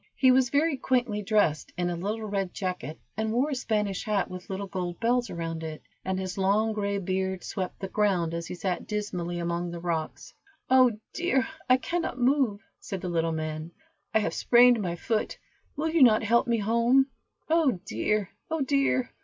He was very quaintly dressed, in a little red jacket, and wore a Spanish hat with little gold bells around it, and his long gray beard swept the ground, as he sat dismally among the rocks. "Oh, dear! I cannot move," said the little man; "I have sprained my foot, will not you help me home? Oh dear! oh dear!"